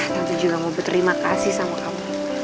nanti juga mau berterima kasih sama kamu